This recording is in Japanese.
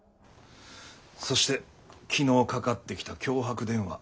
そして昨日かかってきた脅迫電話。